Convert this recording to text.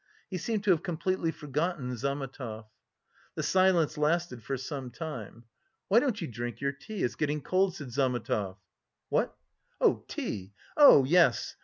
He seemed to have completely forgotten Zametov. The silence lasted for some time. "Why don't you drink your tea? It's getting cold," said Zametov. "What! Tea? Oh, yes...."